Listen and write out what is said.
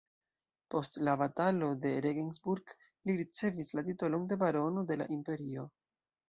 Post la Batalo de Regensburg li ricevis la titolon de barono de la imperio.